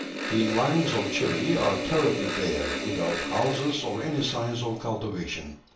The environs of Chili are terribly bare, without houses or any signs of cultivation.